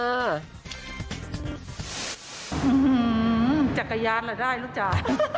อื้อหือจักรยานล่ะได้ลูกจักร